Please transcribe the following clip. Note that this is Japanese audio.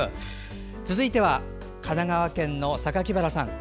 続いては、神奈川県の榊原さん。